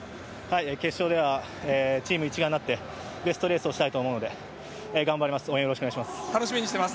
決勝ではチーム一丸になってベストレースをしたいと思いますので頑張ります。